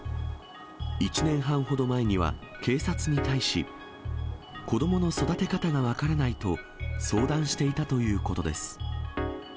１年半ほど前には、警察に対し、子どもの育て方が分からないと、相談していたということです。